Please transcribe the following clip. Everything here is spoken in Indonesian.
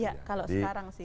kalau sekarang sih